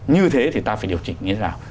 như thế thì ta phải điều chỉnh như thế nào